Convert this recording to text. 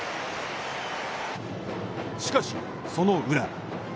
しかし、その裏。